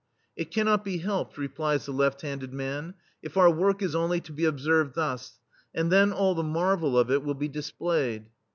"It cannot be helped, replies the left handed man, " if our work is only to be observed thus ; and then all the marvel of it will be displayed.